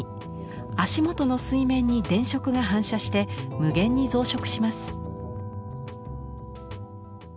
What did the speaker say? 足元の水面に電飾が反射して無限に増殖します。